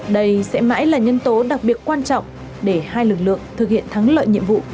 đây sẽ mãi là nhân tố đặc biệt quan trọng để hai lực lượng thực hiện thắng lợi nhiệm vụ